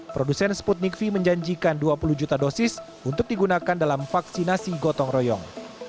produsen sputnik v menjanjikan dua puluh juta dosis untuk digunakan dalam vaksinasi gotong royong